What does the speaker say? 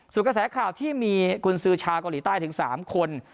ส่วนกระแสข่าวที่มีกุญสือชาวเกาหลีใต้ถึง๓คน